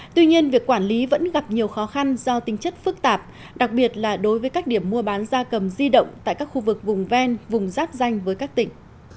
tuy nhiên việc quản lý vẫn gặp nhiều khó khăn do tính chất phức tạp đặc biệt là đối với các điểm mua bán gia cầm di động tại các khu vực vùng ven vùng giáp danh với các tỉnh